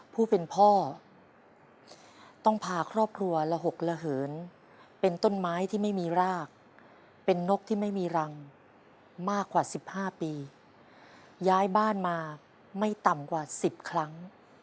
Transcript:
ผู้เป็นพ่อต้องพาครอบครัวระหกระเหินเป็นต้นไม้ที่ไม่มีรากเป็นนกที่ไม่มีรังมากกว่า๑๕ปีย้ายบ้านมาไม่ต่ำกว่า๑๐ครั้ง